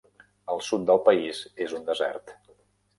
El sud de país és un desert.